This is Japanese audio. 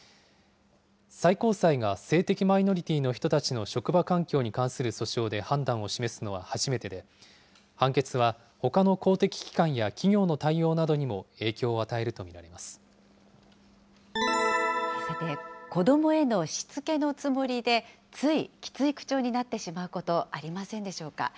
最高裁が性的マイノリティーの人たちの職場環境に関する訴訟で判断を示すのは初めてで、判決はほかの公的機関や企業の対応などにも影響を与えると見られさて、子どもへのしつけのつもりで、ついきつい口調になってしまうこと、ありませんでしょうか。